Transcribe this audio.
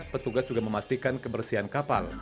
petugas juga memastikan kebersihan kapal